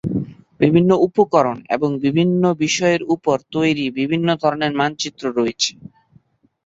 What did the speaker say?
বিভিন্ন উপকরণ এবং বিভিন্ন বিষয়ের উপর তৈরি বিভিন্ন ধরনের মানচিত্র রয়েছে।